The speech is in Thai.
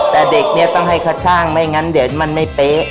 แต่เด็กเนี่ยต้องให้เขาช่างไม่งั้นเดี๋ยวมันไม่เป๊ะ